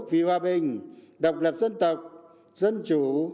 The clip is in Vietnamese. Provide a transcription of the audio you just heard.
vì hòa bình độc lập dân tộc dân chủ